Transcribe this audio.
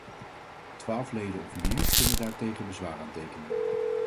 Twaalf leden of meer kunnen daartegen bezwaar aantekenen.